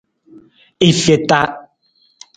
I feta.